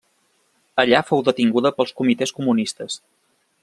Allà fou detinguda pels comitès comunistes.